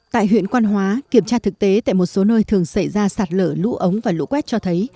tại huyện quan hóa kiểm tra thực tế tại một số nơi thường xảy ra sạt lở lũ ống và lũ quét cho thấy